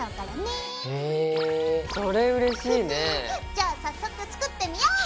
じゃあ早速作ってみよう！